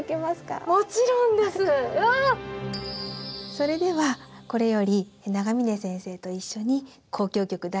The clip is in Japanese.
それではこれより永峰先生と一緒に「交響曲第５番」